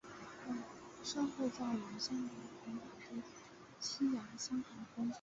身后葬于香港跑马地西洋香港坟场。